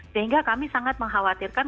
sehingga kami sangat mengkhawatirkan